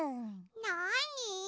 なに？